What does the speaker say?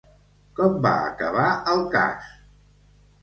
Com va acabar el cas?